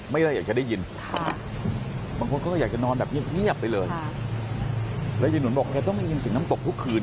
ไม่ได้อยากจะได้ยินบางคนเขาก็อยากจะนอนแบบเงียบไปเลยแล้วยายหนุนบอกแกต้องได้ยินเสียงน้ำตกทุกคืน